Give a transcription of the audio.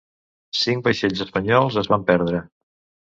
Cinc vaixells espanyols es van perdre.